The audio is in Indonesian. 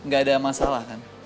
gak ada masalah kan